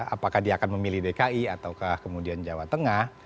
apakah dia akan memilih dki atau kemudian jawa tengah